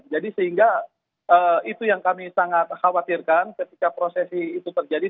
jadi sehingga itu yang kami sangat khawatirkan ketika proses itu terjadi